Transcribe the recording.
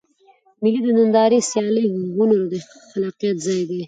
مېلې د نندارې، سیالۍ، هنر او خلاقیت ځای دئ.